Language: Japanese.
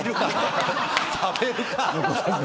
食べるか。